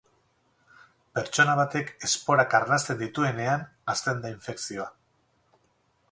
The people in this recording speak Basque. Pertsona batek esporak arnasten dituenean hasten da infekzioa.